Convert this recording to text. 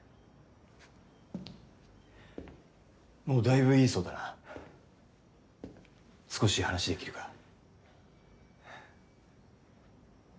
もうだいぶいいそうだな少し話できるか？